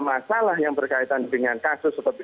masalah yang berkaitan dengan kasus seperti